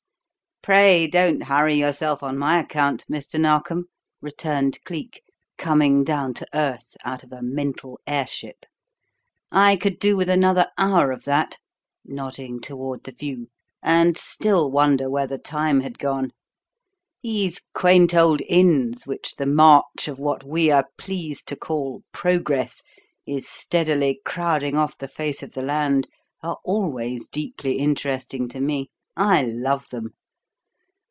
"Pray, don't hurry yourself on my account, Mr. Narkom," returned Cleek, "coming down to earth" out of a mental airship. "I could do with another hour of that" nodding toward the view "and still wonder where the time had gone. These quaint old inns, which the march of what we are pleased to call 'Progress' is steadily crowding off the face of the land, are always deeply interesting to me; I love them.